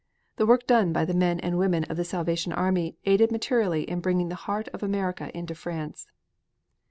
The work done by the men and women of the Salvation Army aided materially in bringing the heart of America into France.